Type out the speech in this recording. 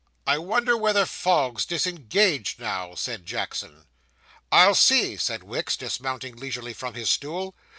'I wonder whether Fogg's disengaged now?' said Jackson. 'I'll see,' said Wicks, dismounting leisurely from his stool.